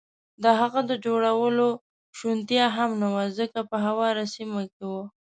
د هغه د جوړولو شونتیا هم نه وه، ځکه په هواره سیمه کې و.